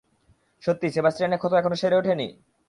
স্যান সেবাস্টিয়ানের ক্ষত এখনো সেরে ওঠেনি?